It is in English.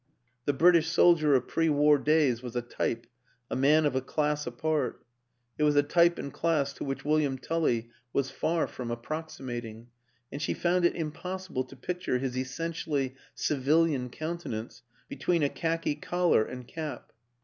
The British soldier of pre war days was a type, a man of a class apart; it was a type and class to which William Tully was far from approximating, and she found it impossible to picture his essentially civil ian countenance between a khaki collar and cap.